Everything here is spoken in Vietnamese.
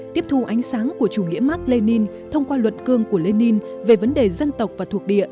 tiếp thu ánh sáng của chủ nghĩa mark lenin thông qua luận cương của lenin về vấn đề dân tộc và thuộc